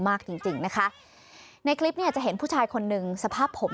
มากจริงจริงนะคะในคลิปเนี่ยจะเห็นผู้ชายคนหนึ่งสภาพผม